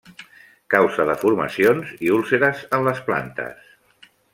Causa deformacions i úlceres en les plantes.